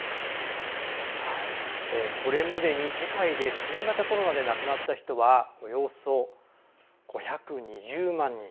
これまでに世界で新型コロナで亡くなった人はおよそ５２０万人。